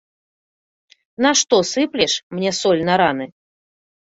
Нашто сыплеш мне соль на раны?